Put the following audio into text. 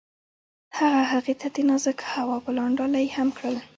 هغه هغې ته د نازک هوا ګلان ډالۍ هم کړل.